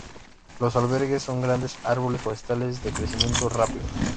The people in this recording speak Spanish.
Los alerces son grandes árboles forestales de crecimiento rápido.